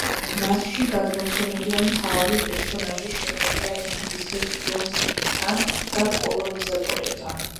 მასში გადმოცემულია მთავარი პერსონაჟის შეხვედრა ინგლისელ ჯონ სმითთან და კოლონიზატორებთან.